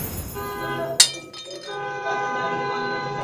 উদয়াদিত্য মূর্ছিত বিভাকে সস্নেহে কোলে করিয়া অন্তঃপুরে চলিয়া গেলেন।